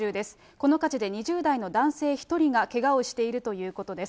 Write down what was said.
この火事で２０代の男性１人がけがをしているということです。